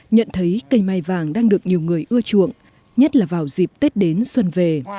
nhận thấy cây mai vàng đang được nhiều người ưa chuộng nhất là vào dịp tết đến xuân về